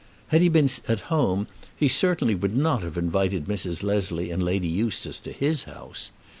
Had he been at home he certainly would not have invited Mrs. Leslie and Lady Eustace to his house.